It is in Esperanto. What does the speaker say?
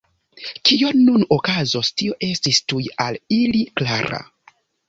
Kio nun okazos, tio estis tuj al ili klara.